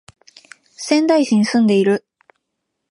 仙台市に住んでいる